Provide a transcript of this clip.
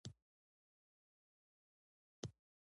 بامیان په افغانستان کې د ټولو لپاره خورا ډېر اهمیت لري.